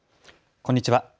こんにちは。